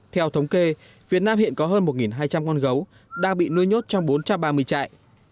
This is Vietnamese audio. theo thống kê việt nam hiện có hơn một hai trăm linh con gấu đang bị nuôi nhốt trong bốn trăm ba mươi trại